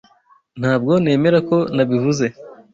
Ntabwo nemera ko nabivuze.